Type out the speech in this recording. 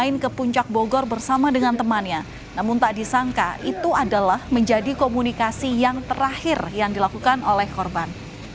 namun tak disangka itu adalah menjadi komunikasi yang terakhir yang dilakukan oleh korban